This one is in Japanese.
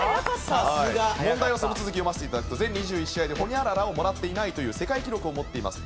さすが。問題のその続き読ませて頂くと全２１試合でホニャララをもらっていないという世界記録を持っています。